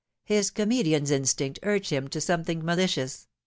His comedian's instinct urged him to something malicious.